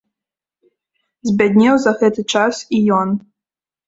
Збяднеў за гэты час і ён.